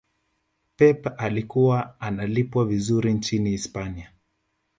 pep alikuwa analipwa vizuri nchini hispania